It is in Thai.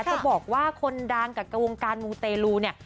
จะบอกว่าคนดังกับวงการมูเตลูเนี่ย